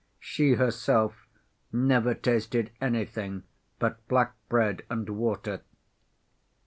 She herself never tasted anything but black bread and water.